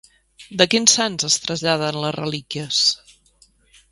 De quins sants es traslladen les relíquies?